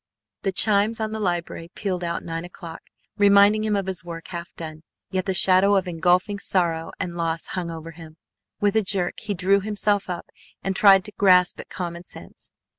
The chimes on the library pealed out nine o'clock, reminding him of his work half done, yet the shadow of engulfing sorrow and loss hung over him. With a jerk he drew himself up and tried to grasp at common sense.